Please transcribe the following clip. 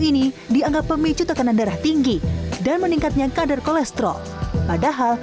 ini dianggap pemicu tekanan darah tinggi dan meningkatnya kadar kolesterol padahal